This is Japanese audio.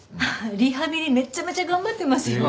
リハビリめちゃめちゃ頑張ってますよ。